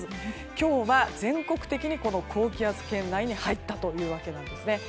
今日は全国的に高気圧圏内に入ったというわけです。